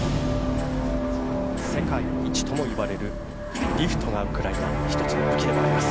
世界一ともいわれるリフトがウクライナ、一つの武器になります。